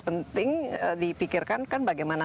penting dipikirkan kan bagaimana